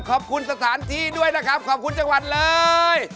ขอบคุณสถานที่ด้วยนะครับขอบคุณจังหวัดเลย